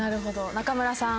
中村さん